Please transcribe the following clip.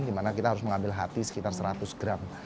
dimana kita harus mengambil hati sekitar seratus gram